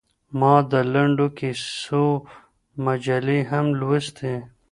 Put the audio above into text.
ما د لنډو کيسو مجلې هم لوستلې.